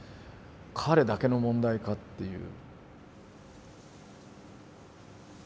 彼だけの問題か？っていう。